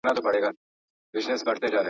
ما خو ستا له کور سره نیژدې قبر ټاکلی وو